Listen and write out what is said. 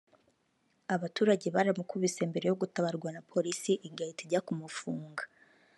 abaturage baramukubise mbere yo gutabarwa na Polisi igahita ijya kumufunga